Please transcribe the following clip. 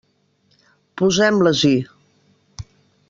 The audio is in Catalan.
Posem-les-hi.